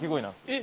え？